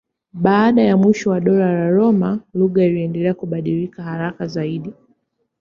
Baada ya mwisho wa Dola la Roma lugha iliendelea kubadilika haraka zaidi.